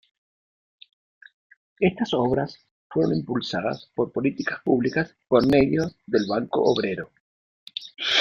Estas obras fueron impulsadas por políticas públicas por medio del Banco Obrero.